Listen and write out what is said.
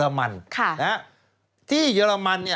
สวัสดีค่ะต้อนรับคุณบุษฎี